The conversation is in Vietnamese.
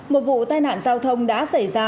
một vụ tai nạn giao thông đã xảy ra